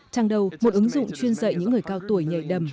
trang đầu một ứng dụng chuyên dạy những người cao tuổi nhảy đầm